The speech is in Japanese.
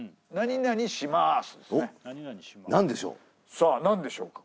さあ何でしょうか？